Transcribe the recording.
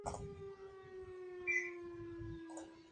Producen un olor muy agradable durante la noche.